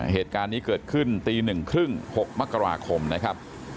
เหตุการณ์นี้เกิดขึ้นตี๑๓๐๖มกราคมนะครับ